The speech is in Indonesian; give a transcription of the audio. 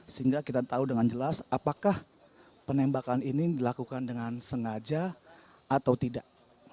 sehingga kita tahu dengan jelas apakah penembakan ini dilakukan dengan sengaja atau tidak